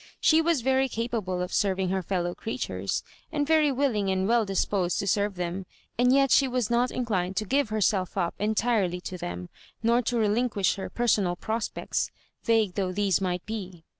She was v«7 capable of serving her fellow creatures, and very willing and well disposed to serve them; and yet she was not inclined to give herself up entirely to them, nor to relinquish her personal prospects — ^vague though these might be.